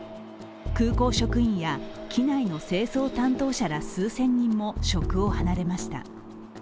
空港職員や機内の清掃担当者ら数千人も職を離れました。